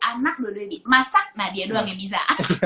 ngurus anak dua duanya bisa masak nadia doang yang bisa